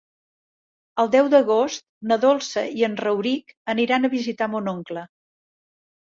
El deu d'agost na Dolça i en Rauric aniran a visitar mon oncle.